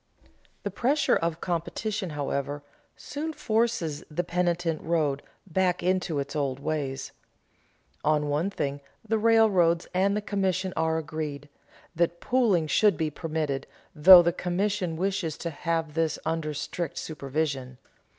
The pressure of competition, however, soon forces the penitent road back into its old ways. On one thing the railroads and the commission are agreed: that pooling should be permitted, though the commission wishes to have this under strict supervision.